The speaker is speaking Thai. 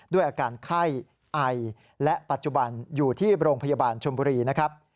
ด้วยอาการไข้ไอและปัจจุบันอยู่ที่โรงพยาบาลชมบุรีนะครับ